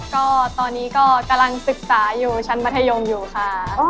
ก็ตอนนี้ก็กำลังศึกษาอยู่ชั้นมัธยมอยู่ค่ะ